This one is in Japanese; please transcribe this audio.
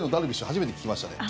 初めて聞きましたね。